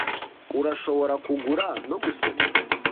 Urashobora kugura no gusoma